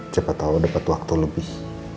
siapa tau dapet waktu lebih